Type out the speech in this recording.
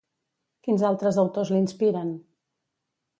Quins altres autors l'inspiren?